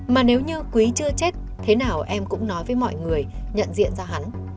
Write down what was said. mà nếu như quý chưa chết thế nào em cũng nói với mọi người nhận diện ra hắn